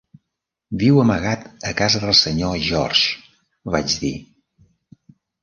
"Viu amagat a casa del senyor George", vaig dir.